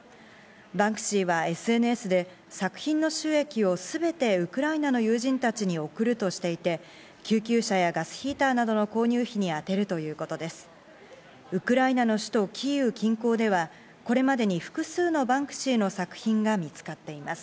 バンクシーはＳＮＳで、作品の収益をすべてウクライナの友人たちに送るとしていて、救急車やガスヒーターなどの購入費に充てるということです。